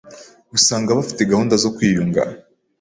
usanga bafite gahunda zo kwiyunga